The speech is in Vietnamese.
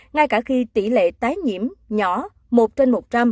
ngay cả khi tỷ lệ tái nhiễm nhỏ một trên một trăm linh